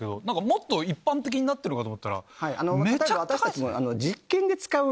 もっと一般的になってるのかと思ったらめっちゃ高い。